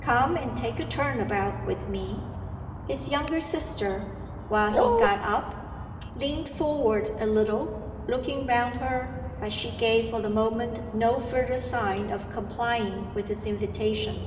Come and take a turn about with me." His younger sister, while he got up, leaned forward a little, looking round her, but she gave for the moment no further sign of complying with his invitation.